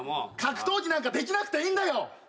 格闘技なんかできなくていいんだよ！